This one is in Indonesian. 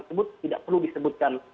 sebut tidak perlu disebutkan